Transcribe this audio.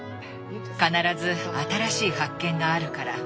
必ず新しい発見があるから。